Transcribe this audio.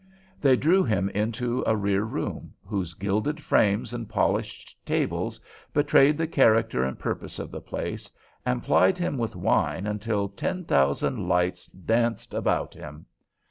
They drew him into a rear room, whose gilded frames and polished tables betrayed the character and purpose of the place, and plied him with wine until ten thousand lights danced about him.